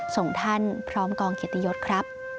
ส่งท่านพร้อมกองเกียรติยศครับ